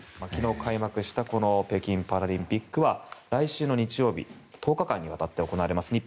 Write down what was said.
昨日開幕した北京パラリンピックは来週の日曜日１０日間にわたって行われます。